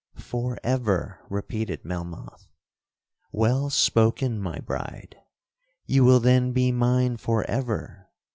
'—'For ever!' repeated Melmoth; 'well spoken, my bride. You will then be mine for ever?